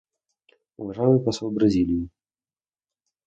Уважаемый посол Бразилии.